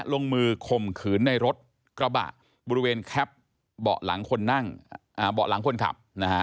ลงมือคมขืนในรถกระบะบริเวณแคปเบาะหลังคนขับ